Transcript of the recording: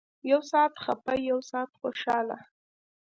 يو سات خپه يو سات خوشاله.